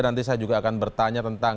nanti saya juga akan bertanya tentang